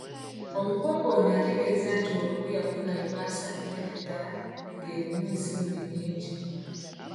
Omukungu ono ategeeza nti olumu yafuna ebbaasa ennene ddala ng’erimu ensimbi nnyingi.